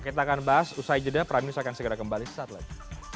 kita akan bahas usai jeda prime news akan segera kembali sesaat lagi